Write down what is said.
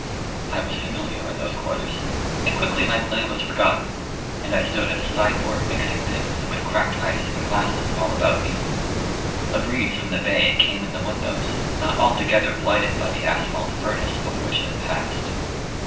I was familiar in those quarters, and quickly my play was forgotten, and I stood at a sideboard mixing things, with cracked ice and glasses all about me. A breeze from the bay came in the windows not altogether blighted by the asphalt furnace over which it had passed.